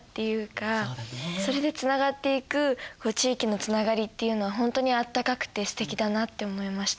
それでつながっていく地域のつながりっていうのはほんとにあったかくてすてきだなって思いました。